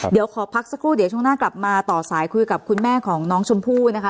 เดี๋ยวขอพักสักครู่เดี๋ยวช่วงหน้ากลับมาต่อสายคุยกับคุณแม่ของน้องชมพู่นะคะ